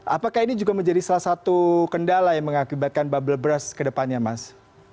apakah ini juga menjadi salah satu kendala yang mengakibatkan bubble brush ke depannya mas